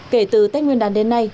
kể từ tết nguyên đàn đến nay